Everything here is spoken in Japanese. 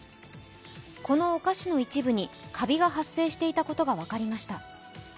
このお菓子の一部にカビが発生していたことが分かりました。